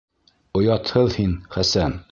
Оятһыҙ һин, Хәсән!..